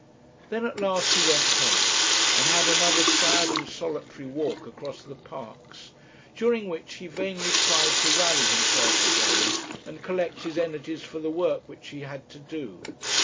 Then at last he went home, and had another sad and solitary walk across the Parks, during which he vainly tried to rally himself again, and collect his energies for the work which he had to do.